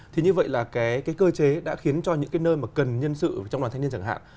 thì như vậy là cái cơ chế đã khiến cho những cái nơi mà cần nhân sự trong đoàn thanh niên chẳng hạn